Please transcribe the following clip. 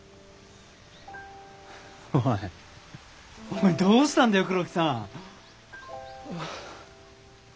おいおいどうしたんだよ黒木さん。